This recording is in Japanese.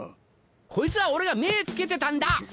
こいつは俺が目ぇ付けてたんだ！